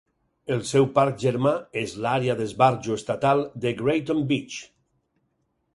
El seu parc germà és l'àrea d'esbarjo estatal de Grayton Beach.